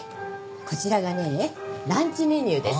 こちらがねランチメニューです。